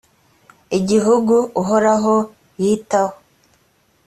igihugu uhoraho yitaho